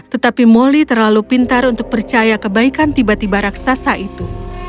tetapi moli terlalu pintar untuk percaya kebaikan tiba tiba raksasa itu